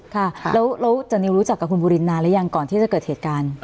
ค่ะแล้วจานิวรู้จักกับคุณบุรินนานหรือยังก่อนที่จะเกิดเหตุการณ์